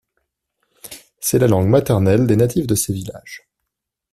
C'est la langue maternelle des natifs de ces villages.